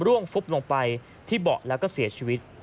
่วงฟุบลงไปที่เบาะแล้วก็เสียชีวิต